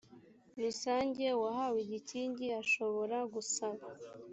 rusange uwahawe igikingi ashobora gusaba